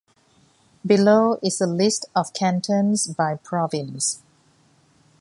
Below is a list of cantons by province.